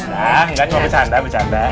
nah kan mau bercanda bercanda